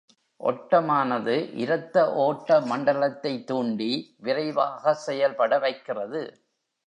ஒட்டமானது இரத்த ஓட்ட மண்டலத்தைத் தூண்டி, விரைவாக செயல்பட வைக் கிறது.